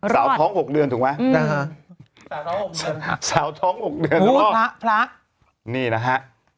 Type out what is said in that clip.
รอดสาวท้อง๖เดือนถูกไหมพระนี่นะฮะ